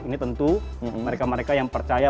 ini tentu mereka mereka yang percaya